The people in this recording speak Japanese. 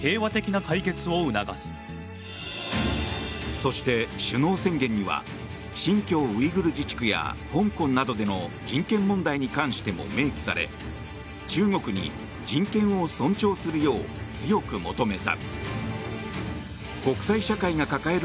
そして、首脳宣言には新疆ウイグル自治区や香港などでの人権問題に関しても明記され中国に人権を尊重するよう強く求めた。